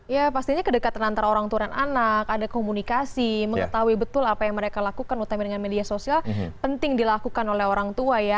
ya pastinya kedekatan antara orang tua dan anak ada komunikasi mengetahui betul apa yang mereka lakukan utama dengan media sosial penting dilakukan oleh orang tua ya